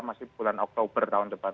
masih bulan oktober tahun depan